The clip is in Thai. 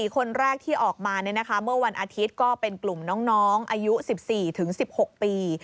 คนแรกที่ออกมาเมื่อวันอาทิตย์ก็เป็นกลุ่มน้องอายุ๑๔๑๖ปี